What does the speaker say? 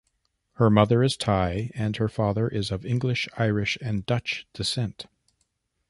Her mother is Thai and her father is of English, Irish and Dutch descent.